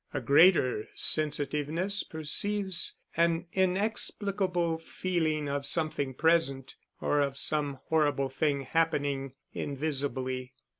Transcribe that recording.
A greater sensitiveness perceives an inexplicable feeling of something present, or of some horrible thing happening invisibly.